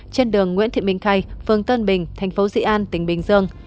trên đường nguyễn thị minh khay phường tân bình thành phố dĩ an tỉnh bình dương